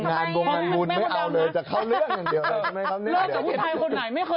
การอยู่ร่วมกับคนในบนร่วมกันยังมีใคร